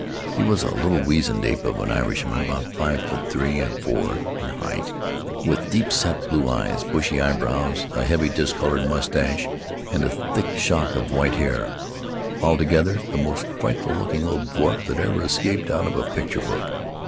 He was a little wizened ape of an Irishman, about five feet three or four in height, with deep set blue eyes, bushy eyebrows, a heavy, discolored mustache, and a thick shock of white hair — altogether the most fright ful looking little dwarf that ever escaped out of a picture book.